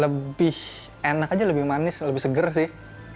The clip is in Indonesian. lebih enak aja lebih manis lebih seger sih